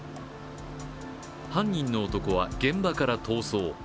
犯人の男は現場から逃走。